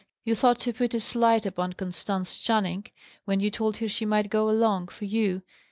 You thought to put a slight upon Constance Channing, when you told her she might go along, for you.